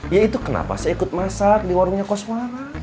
ya itu kenapa saya ikut masak di warungnya koswara